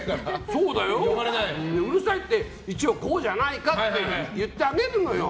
そうだよ、うるさいって一応、こうじゃないかって言ってあげるのよ。